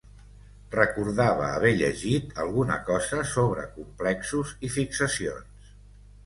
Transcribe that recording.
Recordava haver llegit alguna cosa sobre complexos i fixacions.